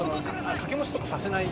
掛け持ちとかさせない。